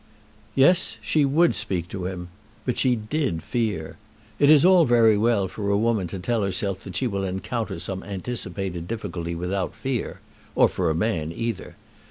Yes, she would speak to him. But she did fear. It is all very well for a woman to tell herself that she will encounter some anticipated difficulty without fear, or for a man either.